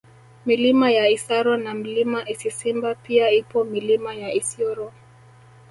Milima ya Isaro na Mlima Isisimba pia ipo Milima ya Isyoro